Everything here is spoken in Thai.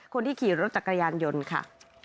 คนที่ขี่รถจักรยานยนต์ค่ะ